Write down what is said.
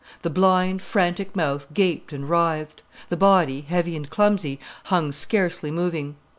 The blind, frantic mouth gaped and writhed. The body, heavy and clumsy, hung scarcely moving.